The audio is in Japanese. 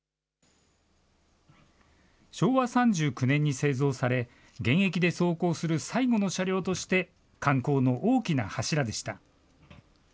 昭和３９年に製造され、現役で走行する最後の車両として、観光の大きな柱でした。